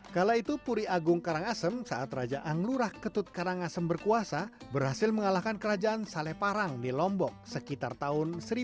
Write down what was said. kala itu puri agung karangasem saat raja anglurah ketut karangasem berkuasa berhasil mengalahkan kerajaan saleh parang di lombok sekitar tahun seribu enam ratus sembilan puluh satu masehi